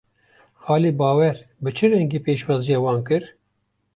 Xalê Bawer bi çi rengî pêşwaziya wan kir?